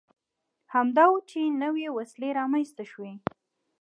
همدا و چې نوې وسیلې رامنځته شوې.